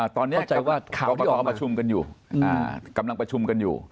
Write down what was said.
ตอนนี้กำลังหาประชุมกันอยู่